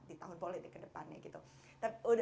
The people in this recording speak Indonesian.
di tahun polis ya kedepannya gitu